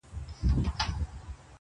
خدايه نری باران پرې وكړې,